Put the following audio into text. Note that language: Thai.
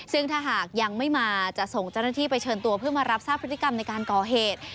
ซึ่งถ้าหากยังไม่มาจะส่งเจ้าหน้าที่ไปเชิญตัวเพื่อมารับทราบพฤติกรรมในการก่อเหตุ